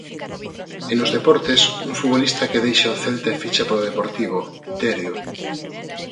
E nos deportes, un futbolista que deixa o Celta e ficha polo Deportivo, Terio.